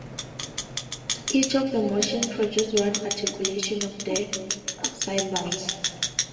Each of the motions produce one articulation of the cymbals.